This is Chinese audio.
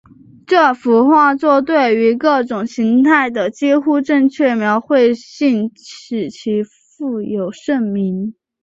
这幅画作对于各种形态的几乎正确描绘性使其负有盛名。